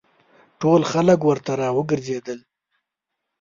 ټول خلک ورڅخه را وګرځېدل.